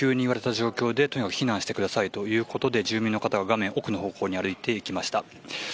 とにかく避難してくださいということで住民の方が画面奥の方向に歩いていきました。